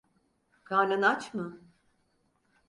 Karnın aç mı?